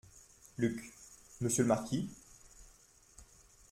Luc - Monsieur le marquis ?